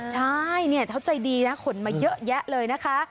ใช่เนี่ยเขาใจดีนะขนมาเยอะแยะเลยนะคะ